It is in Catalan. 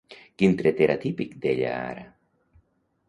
Quin tret era típic d'ella ara?